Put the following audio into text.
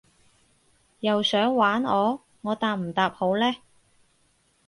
又想玩我？我答唔答好呢？